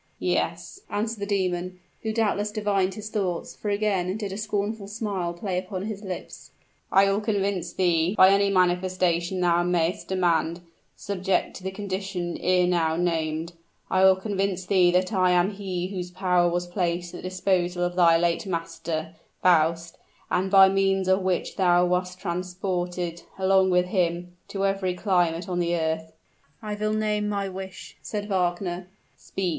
"Yes," answered the demon, who doubtless divined his thoughts, for again did a scornful smile play upon his lips. "I will convince thee, by any manifestation thou may'st demand, subject to the condition ere now named, I will convince thee that I am he whose power was placed at the disposal of thy late master, Faust, and by means of which thou wast transported, along with him, to every climate on the earth." "I will name my wish," said Wagner. "Speak!"